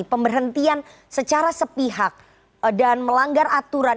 pemberhentian secara sepihak dan melanggar aturan